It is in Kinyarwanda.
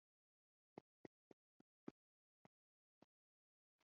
ubumenyi mu icunga mutungo